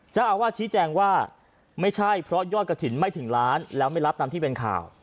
เจ้าอาวาสชี้แจงว่าไม่ใช่เพราะยอดกระถิ่นไม่ถึงล้านแล้วไม่รับตามที่เป็นข่าว